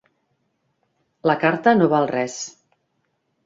La carta no val res.